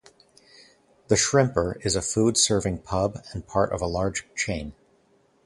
The Shrimper is a food-serving pub and part of a large chain.